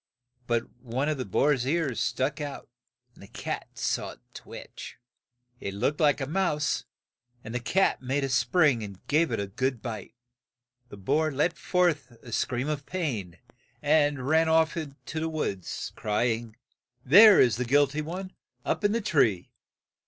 But one of the boar's ears stuck out, and the cat saw it twitch. It looked like a mouse, and the cat made a spring and gave it a good bite. The boar let forth a scream of pain, and ran off to the woods, cry ing, "There is the guil ty one, up in the tree."